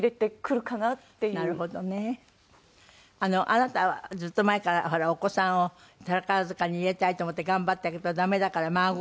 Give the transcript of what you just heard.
あなたはずっと前からお子さんを宝塚に入れたいと思って頑張ったけどダメだから孫を。